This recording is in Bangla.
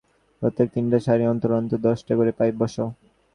প্রত্যেক তিনটি সারি অন্তর অন্তর দশটা করে পাইপ বসাও।